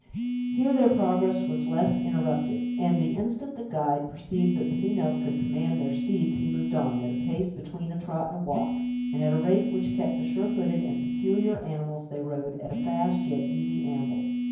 Here their progress was less interrupted; and the instant the guide perceived that the females could command their steeds, he moved on, at a pace between a trot and a walk, and at a rate which kept the sure footed and peculiar animals they rode at a fast yet easy amble.